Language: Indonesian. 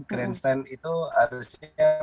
grandstand itu harusnya bisa diperbanyak